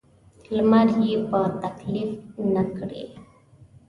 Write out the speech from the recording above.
لمر یې په تکلیف نه کړي.